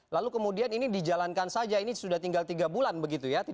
lalu kemudian ini dijalankan saja ini sudah tinggal tiga bulan begitu ya